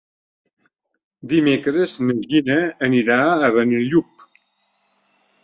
Dimecres na Gina anirà a Benillup.